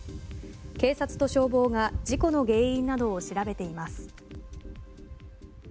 警察と消防が事故の原因などを調べています。